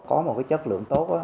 có một cái chất lượng tốt á